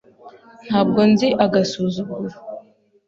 Ntabwo nzi agasuzuguro